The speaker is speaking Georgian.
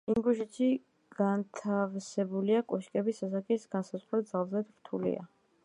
ინგუშეთში განთავსებული კოშკების ასაკის განსაზღვრა ძალზედ რთულია.